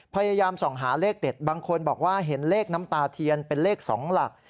พยายามส่องหาเลขเด็ดบางคนบอกว่าเห็นเลขน้ำตาเทียนเป็นเลข๒หลัก